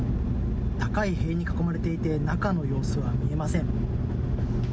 高い塀に囲まれていて、中の様子は見えません。